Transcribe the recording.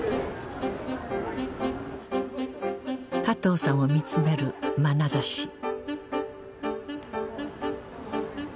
加藤さんを見つめるまなざし